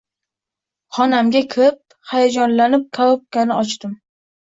Xonamga kirib, hayajonlanib karobkani ochdim.